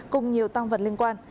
cùng nhiều tăng vật liên quan